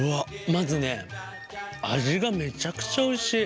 まずね味がめちゃくちゃおいしい。